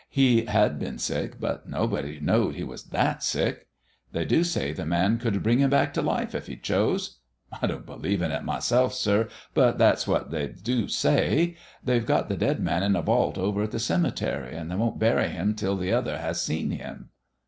He had been sick, but nobody knowed he was that sick. They do say the Man could bring him back to life if He chose. I don't believe in it myself, sir; but that's what they do say. They've got the dead man in a vault over at the cemetery, and they won't bury him till the Other has seen him."